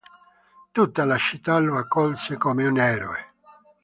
Tutta la città lo accolse come un eroe.